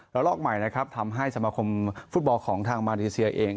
แล้วล่อกใหม่ทำให้สมมคมฟู้ตบอลของทางมารยาสีอีก